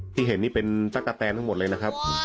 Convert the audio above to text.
ที่เห็นนี่เป็นตั๊กกะแตนทั้งหมดเลยนะครับ